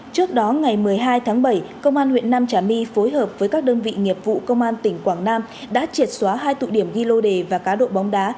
trước đó ngày một mươi hai tháng bảy công an huyện nam trà my phối hợp với các đơn vị nghiệp vụ công an tỉnh quảng nam đã triệt xóa hai tụ điểm ghi lô đề và cá độ bóng đá